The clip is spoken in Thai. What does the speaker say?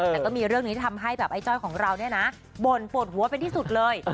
แต่ก็มีเรื่องนี้ที่ทำให้แบบไอ้จ้อยของเราเนี่ยนะบ่นปวดหัวเป็นที่สุดเลย